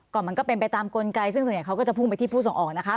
มันก็เป็นไปตามกลไกซึ่งส่วนใหญ่เขาก็จะพุ่งไปที่ผู้ส่งออกนะคะ